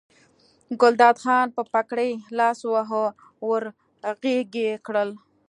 ګلداد خان په پګړۍ لاس وواهه ور غږ یې کړل.